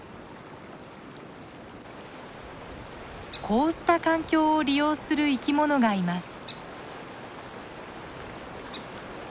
こうした環境を利用する生き物がいます。